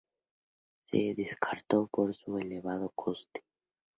Se descartó por su elevado coste.